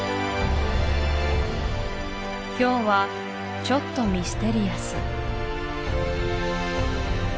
今日はちょっとミステリアス